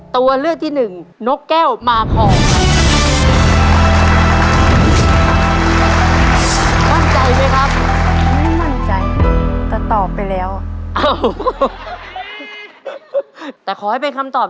ตัวเลือดที่๓ม้าลายกับนกแก้วมาคอ